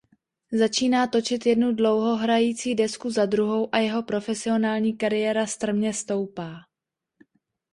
Začíná točit jednu dlouhohrající desku za druhou a jeho profesionální kariéra strmě stoupá.